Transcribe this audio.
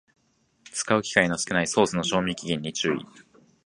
使う機会の少ないソースの賞味期限に注意